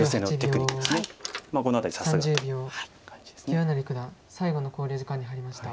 清成九段最後の考慮時間に入りました。